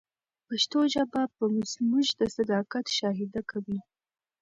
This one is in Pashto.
پښتو ژبه به زموږ د صداقت شاهده وي.